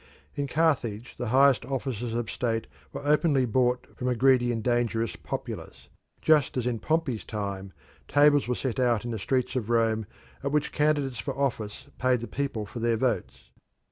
In Carthage the highest offices of state were openly bought from a greedy and dangerous populace, just as in Pompey's time tables were set out in the streets of Rome at which candidates for office paid the people for their votes.